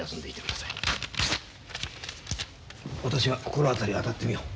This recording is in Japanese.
私が心当たりを当たってみよう。